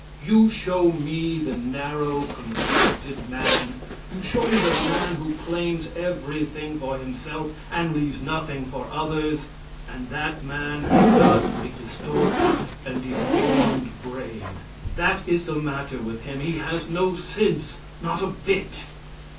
You show me the narrow, contracted man; you show me the man who claims everything for himself and leaves nothing for others, and that man has got a distorted and deformed brain. That is the matter with him. He has no sense; not a bit.